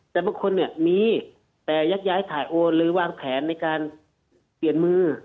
แต่บางคนเนี่ยมีแต่ยักย้ายถ่ายโอนหรือวางแผนในการเปลี่ยนมือ